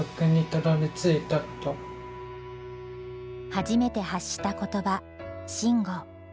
初めて発した言葉「しんご」。